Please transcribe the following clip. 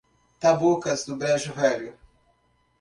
Tabocas do Brejo Velho